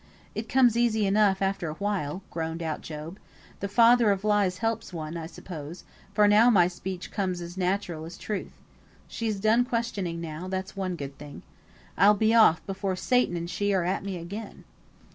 "It comes easy enough after a while," groaned out Job. "The father of lies helps one, I suppose, for now my speech comes as natural as truth. She's done questioning now, that's one good thing. I'll be off before Satan and she are at me again."